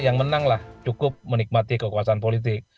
yang menanglah cukup menikmati kekuasaan politik